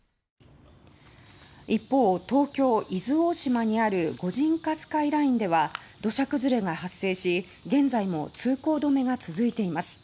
一方、東京・伊豆大島にある御神火スカイラインでは土砂崩れが発生し現在も通行止めが続いています。